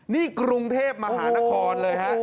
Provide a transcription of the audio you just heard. นี่กรุงเทพมหานครเลยฮะ